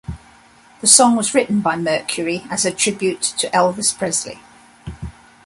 The song was written by Mercury as a tribute to Elvis Presley.